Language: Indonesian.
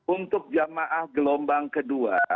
untuk jemaah gelombang kedua